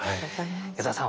矢沢さん